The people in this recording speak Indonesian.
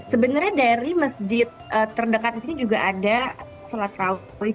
sebenarnya dari masjid terdekat di sini juga ada sholat raweh